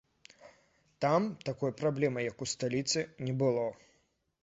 Там такой праблемы, як у сталіцы, не было.